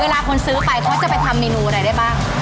คนซื้อไปเขาจะไปทำเมนูอะไรได้บ้าง